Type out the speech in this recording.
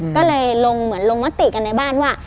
ก็เลยลงเหมือนลงมติกันในบ้านว่า